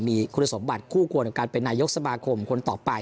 มีคุณสมบัติคู่ควรกับการเป็นนายกสมาคมคนต่อไป